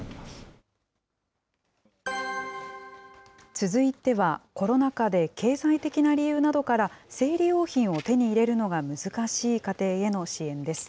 続いては、コロナ禍で経済的な理由などから生理用品を手に入れるのが難しい家庭への支援です。